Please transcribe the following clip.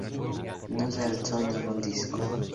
No se lanzó en ningún disco.